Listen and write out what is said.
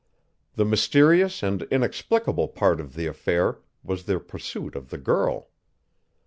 The mysterious and inexplicable part of the affair was their pursuit of the girl.